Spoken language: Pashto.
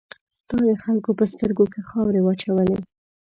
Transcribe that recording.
تا د خلکو په سترګو کې خاورې واچولې.